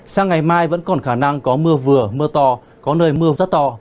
sang ngày mai vẫn còn khả năng có mưa vừa mưa to có nơi mưa rất to